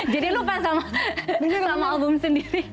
jadi lupa sama album sendiri